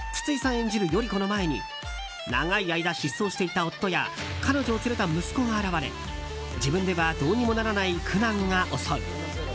演じる依子の前に長い間失踪していた夫や彼女を連れた息子が現れ自分ではどうにもならない苦難が襲う。